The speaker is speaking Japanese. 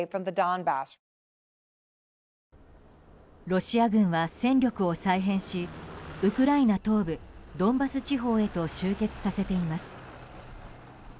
ロシア軍は戦力を再編しウクライナ東部ドンバス地方へと集結させています。